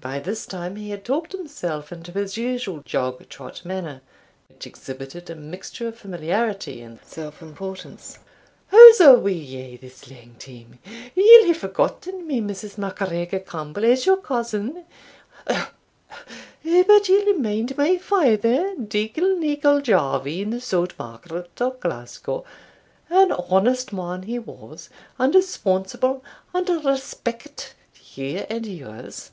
(by this time he had talked himself into his usual jog trot manner, which exhibited a mixture of familiarity and self importance) "How's a' wi' ye this lang time? Ye'll hae forgotten me, Mrs. MacGregor Campbell, as your cousin uh! uh! but ye'll mind my father, Deacon Nicol Jarvie, in the Saut Market o' Glasgow? an honest man he was, and a sponsible, and respectit you and yours.